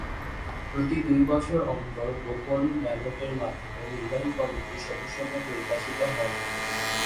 প্রতি দুই বছর অন্তর গোপন ব্যালটের মাধ্যমে নির্বাহী কমিটির সদস্যগণ নির্বাচিত হন।